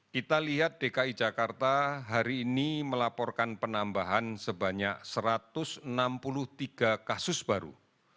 kita lihat dki jakarta hari ini melaporkan penambahan sebanyak satu ratus enam puluh tiga kasus baru